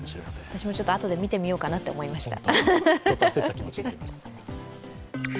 私もちょっとあとで見てみようかなと思いました。